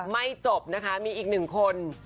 ไม่จบนะคะมีอีกหนึ่งคน